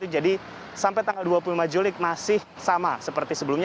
jadi sampai tanggal dua puluh lima juli masih sama seperti sebelumnya